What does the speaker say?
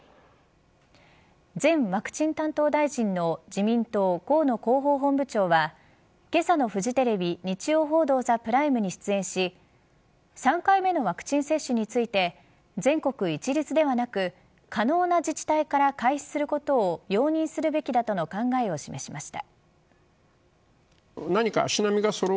前ワクチン担当大臣の自民党、河野広報本部長はけさのフジテレビ日曜報道ＴＨＥＰＲＩＭＥに出演し３回目のワクチン接種について全国一律ではなく可能な自治体から開始することを容認するべきだとの考えを示しました。